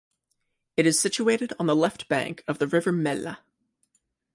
It is situated on the left bank of the river Mella.